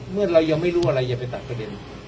เรายังไม่รู้อะไรอย่าไปตัดประเด็น